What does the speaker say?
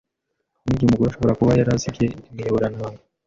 Hari n’igihe umugore ashobora kuba yarazibye imiyoborantanga